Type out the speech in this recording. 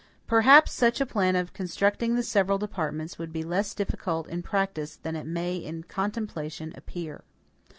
Perhaps such a plan of constructing the several departments would be less difficult in practice than it may in contemplation appear.